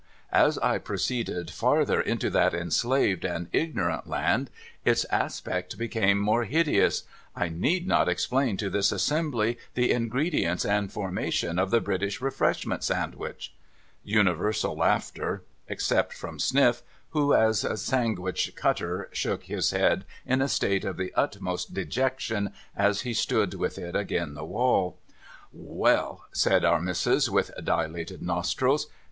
As I proceeded farther into that enslaved and ignorant land, its aspect became more hideous. I need not explain to this assembly the ingredients and formation of the British Refreshment sangwich ?' Universal laughter, — except from Sniff, who, as sangwich cutter, shook his head in a state of the utmost dejection as he stood with it a^in the wall. A MALIGNANT MANIAC 455 _' Well !' said Our Missis, with dilated nostrils.